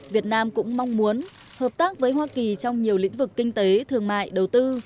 việt nam cũng mong muốn hợp tác với hoa kỳ trong nhiều lĩnh vực kinh tế thương mại đầu tư